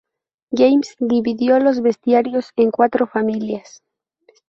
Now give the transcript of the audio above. James dividió los bestiarios en cuatro familias.